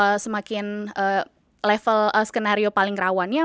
apakah semakin level skenario paling rawannya